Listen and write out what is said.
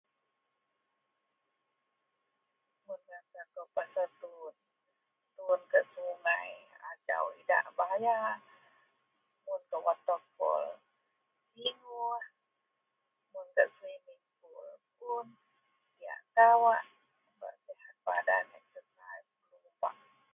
[unintelligible] pasel tuun, tuun gak sungai, ajau idak baya, mun gak waterpool, siguih, mun gak swimming pool pun diak kawak bak badan.. [unintelligible]